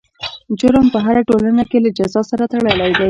جرم په هره ټولنه کې له جزا سره تړلی دی.